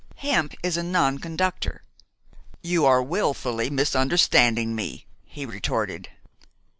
"Hemp is a non conductor." "You are willfully misunderstanding me," he retorted.